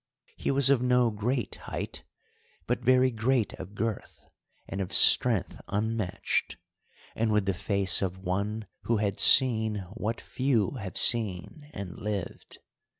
He was of no great height, but very great of girth, and of strength unmatched, and with the face of one who had seen what few have seen and lived.